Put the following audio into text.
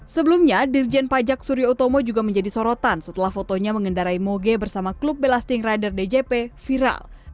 sebelumnya dirjen pajak surya utomo juga menjadi sorotan setelah fotonya mengendarai moge bersama klub belasting rider djp viral